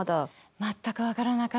全く分からなかったです。